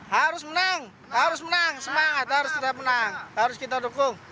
harus menang harus menang semangat harus tetap menang harus kita dukung